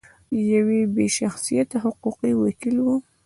یو بې شخصیته حقوقي وکیل و.